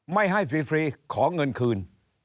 ไม่ให้ฟรีขอเงินคืน